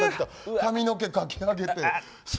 髪の毛かき上げて。